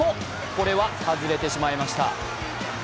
これは外れてしまいました。